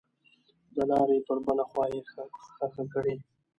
دلارې پر بله خوا یې ښخه کړئ.